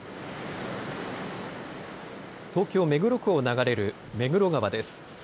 東京目黒区を流れる目黒川です。